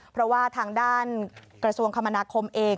เพราะว่าทางด้านกระทรวงคมนาคมเอง